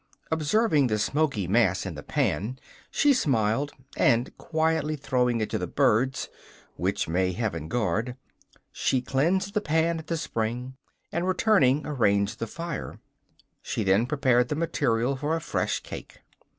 Observing the smoky mass in the pan, she smiled, and quietly throwing it to the birds (which may Heaven guard!) she cleansed the pan at the spring, and, returning arranged the fire. She then prepared the material for a fresh cake.